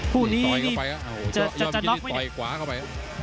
คู่นี้จะจัดน๊อคไหม